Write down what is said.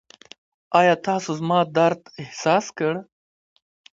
ایا تاسو زما درد احساس کړ؟